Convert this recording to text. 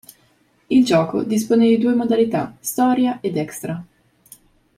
Il gioco dispone di due modalità: Storia ed Extra.